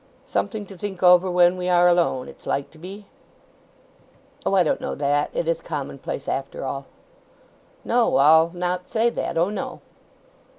"Something to think over when we are alone, it's like to be?" "Oh, I don't know that. It is commonplace after all." "No, I'll not say that. O no!"